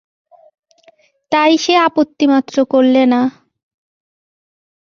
তাই সে আপত্তিমাত্র করলে না।